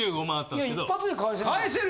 一発で返せる。